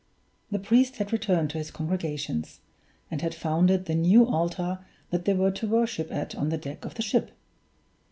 The priest had returned to his congregations, and had founded the new altar that they were to worship at on the deck of the ship!